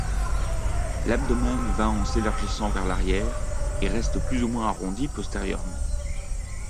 L'abdomen va en s'élargissant vers l'arrière, et reste plus ou moins arrondi postérieurement.